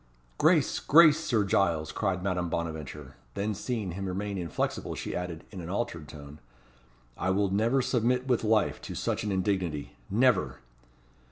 "Grace! grace! Sir Giles," cried Madame Bonaventure. Then seeing him remain inflexible, she added, in an altered tone, "I will never submit with life to such an indignity never!"